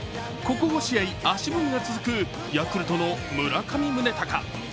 ここ５試合、足踏みが続くヤクルトの村上宗隆。